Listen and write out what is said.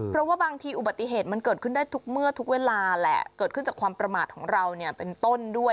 เพราะว่าบางทีอุบัติเหตุมันเกิดขึ้นได้ทุกเมื่อทุกเวลาแหละเกิดขึ้นจากความประมาทของเราเนี่ยเป็นต้นด้วย